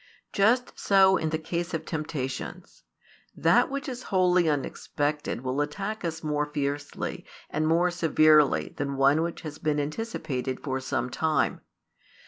Just so in the case of temptations: that which is wholly unexpected will attack us more fiercely and more severely than one which has been anticipated for some time.